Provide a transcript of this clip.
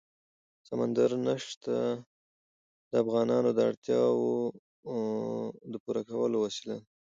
سمندر نه شتون د افغانانو د اړتیاوو د پوره کولو وسیله ده.